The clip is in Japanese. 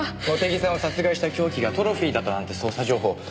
茂手木さんを殺害した凶器がトロフィーだったなんて捜査情報